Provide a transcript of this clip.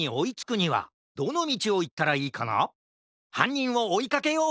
はんにんをおいかけよう！